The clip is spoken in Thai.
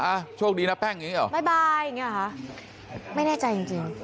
อ่าโชคดีน่ะแป้งอย่างงี้หรอไปอย่างงี้ล่ะค่ะไม่แน่ใจจริง